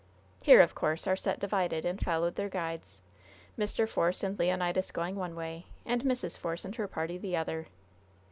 Here, of course, our set divided and followed their guides Mr. Force and Leonidas going one way and Mrs. Force and her party the other.